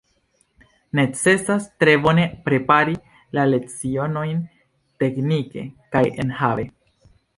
Necesas tre bone prepari la lecionojn teknike kaj enhave.